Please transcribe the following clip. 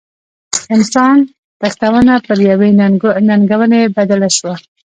انسان تښتونه پر یوې ننګونې بدله شوه.